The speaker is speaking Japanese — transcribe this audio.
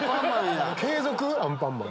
継続⁉アンパンマン。